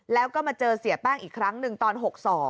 แล้วก็มาเจอเสียแป้งอีกครั้งหนึ่งตอน๖๒